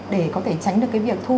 để có thể tránh được cái việc thu